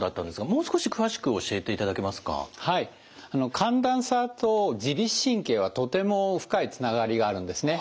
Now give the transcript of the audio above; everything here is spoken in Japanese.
寒暖差と自律神経はとても深いつながりがあるんですね。